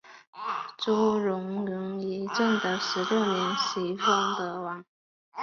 朱佑榕于正德十六年袭封德王。